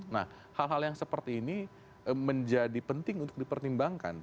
nah hal hal yang seperti ini menjadi penting untuk dipertimbangkan